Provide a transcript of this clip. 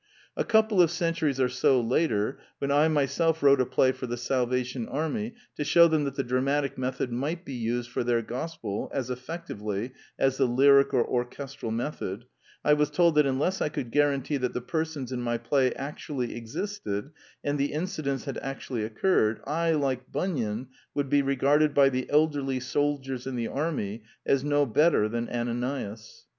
A couple of centuries or so later, when I myself wrote a play for the Salvation Army to shew them that the dramatic method might be used' for their gospel as effectively as the lyric or orchestral method, I was told that unless I could guarantee that the persons in my play actually existed, and the incidents had actually occurred, I, like Bun yan, would be regarded by the elderly soldiers in the army as no better than Ananias.